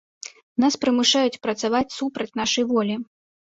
Нас прымушаюць працаваць супраць нашай волі.